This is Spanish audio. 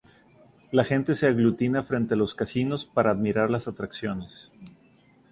La gente se aglutina frente a los casinos para admirar las atracciones.